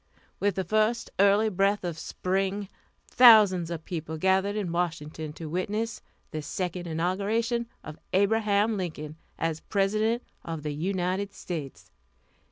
With the first early breath of spring, thousands of people gathered in Washington to witness the second inauguration of Abraham Lincoln as President of the United States.